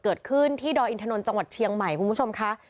เกิดขึ้นที่ดอยอินทนนท์จังหวัดเชียงใหม่คุณผู้ชมค่ะ